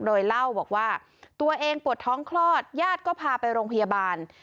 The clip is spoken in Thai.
โดยเล่าบอกว่าตัวเองปวดท้องคลอดญาติก็พาไปโรงพยาบาล